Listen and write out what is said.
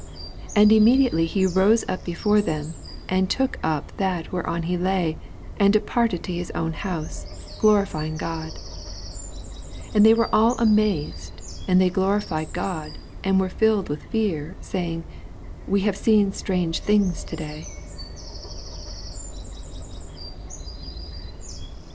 25 And immediately he rose up be fore them, and took up that whereon he lay, and departed to his own house, glorifying God. 26 And they were all amazed, and they glorified God, and were filled with fear^ saying. We have seen strange things to*day.